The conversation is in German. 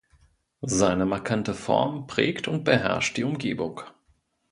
Seine markante Form prägt und beherrscht die Umgebung.